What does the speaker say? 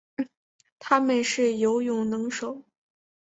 它们是游泳能手。